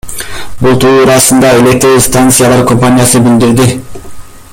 Бул туурасында Электр станциялар компаниясы билдирди.